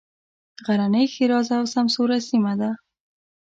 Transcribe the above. غرنۍ ښېرازه او سمسوره سیمه ده.